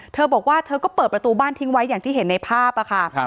เธอบอกว่าเธอก็เปิดประตูบ้านทิ้งไว้อย่างที่เห็นในภาพค่ะ